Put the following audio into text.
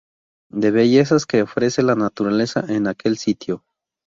De bellezas que ofrece la naturaleza en aquel sitio.